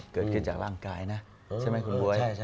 เกิดขึ้นจากร่างกายนะใช่ไหมคุณบ๊วย